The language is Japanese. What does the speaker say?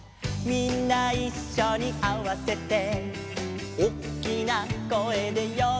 「みんないっしょにあわせて」「おっきな声で呼んだら」